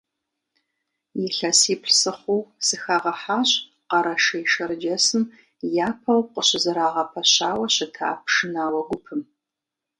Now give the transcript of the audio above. ИлъэсиплӀ сыхъуу сыхагъэхьащ Къэрэшей-Шэрджэсым япэу къыщызэрагъэпэщауэ щыта пшынауэ гупым.